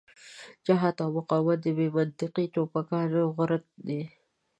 جهاد او مقاومت د بې منطقې ټوپکيان غرت دی.